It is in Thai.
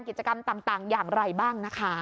กิจกรรมต่างอย่างไรบ้างนะคะ